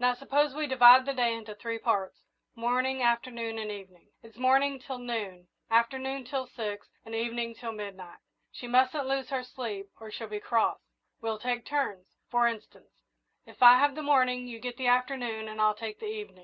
Now, suppose we divide the day into three parts morning, afternoon, and evening. It's morning till noon, afternoon till six, and evening till midnight. She mustn't lose her sleep, or she'll be cross. We'll take turns. For instance, if I have the morning, you get the afternoon, and I'll take the evening.